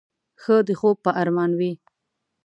ښه د خوب په ارمان وې.